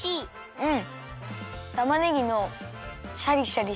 うん。